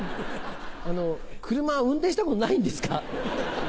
車運転したことないんですか？